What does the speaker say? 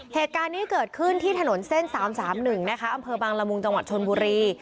เหตุการณ์นี้เกิดขึ้นที่ถนนเส้น๓๓๑นะคะอำเภอบางละมุงจังหวัดชนบุรี